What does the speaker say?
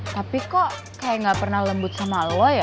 tapi kok kayak gak pernah lembut sama allah ya